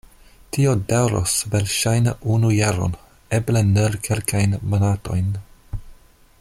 Tio daŭros verŝajne unu jaron, eble nur kelkajn monatojn...